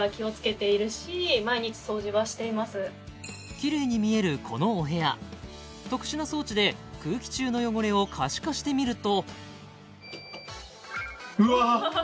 きれいに見えるこのお部屋特殊な装置で空気中の汚れを可視化してみるとうわっ！